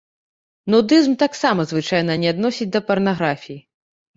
Нудызм таксама звычайна не адносяць да парнаграфіі.